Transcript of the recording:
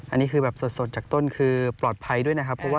อันนี้คือแบบสดจากต้นคือปลอดภัยด้วยนะครับเพราะว่า